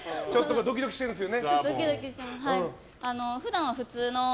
ドキドキしてるんですよね。